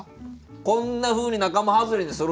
こんなふうに仲間外れにするんですか？